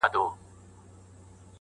تر اوسه راغلمه په هره لار تنها راغلمه